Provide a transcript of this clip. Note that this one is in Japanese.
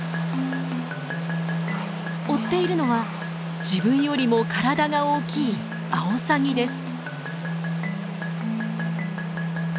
追っているのは自分よりも体が大きいアオサギです。